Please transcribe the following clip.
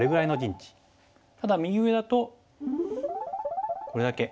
ただ右上だとこれだけ。